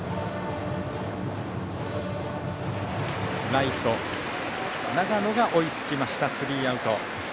ライト、永野が追いついてスリーアウト。